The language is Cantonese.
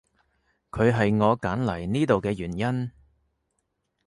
佢係我揀嚟呢度嘅原因